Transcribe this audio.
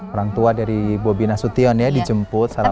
orang tua dari bobi nasution ya dijemput salah satu